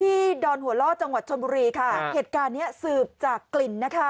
ดอนหัวล่อจังหวัดชนบุรีค่ะเหตุการณ์เนี้ยสืบจากกลิ่นนะคะ